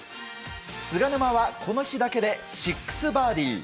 菅沼はこの日だけで６バーディー。